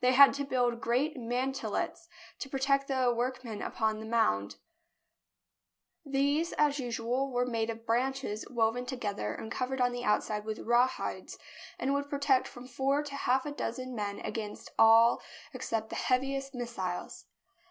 They had to build great man telets to protect the workmen upon the mound. JERUSALEM These, as usual, were made of branches woven to gether and covered on the outside with rawhides, and would protect from four to half a dozen men 'against all except the heaviest missiles.